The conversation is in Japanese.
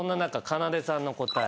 かなでさんの答え